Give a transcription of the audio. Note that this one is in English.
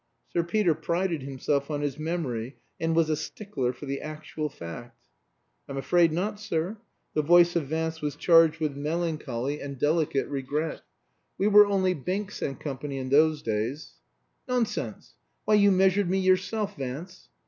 Sir Peter prided himself on his memory, and was a stickler for the actual fact. "I'm afraid not, sir." The voice of Vance was charged with melancholy and delicate regret. "We were only Binks and Co. in those days." "Nonsense. Why, you measured me yourself, Vance."